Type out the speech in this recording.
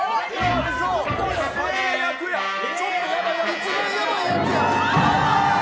一番ヤバいやつや！